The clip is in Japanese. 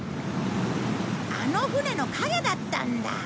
あの船の影だったんだ。